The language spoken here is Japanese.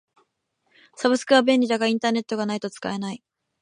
サブスクは便利だがインターネットがないと使えない。